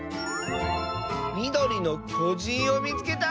「みどりのきょじんをみつけた！」。